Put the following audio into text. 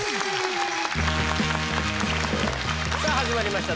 さあ始まりました